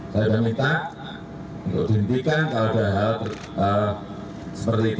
saya minta untuk dihentikan kalau ada hal seperti itu